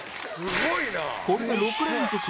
これで６連続